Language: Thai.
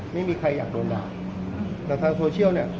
ไม่มีใครอยากโดนด่าแต่ทางโซเชียลเนี่ย